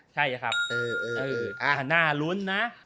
ใช่ครับน่ารุ้นนะ